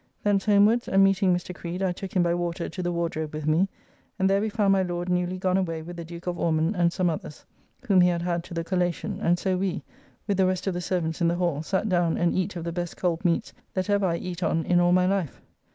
Thence homewards, and meeting Mr. Creed I took him by water to the Wardrobe with me, and there we found my Lord newly gone away with the Duke of Ormond and some others, whom he had had to the collation; and so we, with the rest of the servants in the hall, sat down and eat of the best cold meats that ever I eat on in all my life.